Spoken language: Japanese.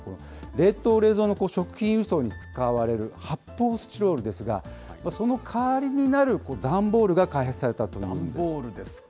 冷凍・冷蔵の食品輸送に使われる発泡スチロールですが、その代わりになる段ボールが開発されたと段ボールですか。